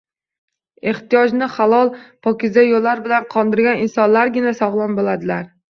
Ehtiyojni halol-pokiza yo‘llar bilan qondirgan insonlargina sog‘lom bo‘ladilar.